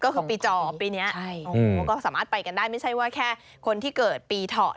ก็คือปีจอปีนี้ก็สามารถไปกันได้ไม่ใช่ว่าแค่คนที่เกิดปีเถาะ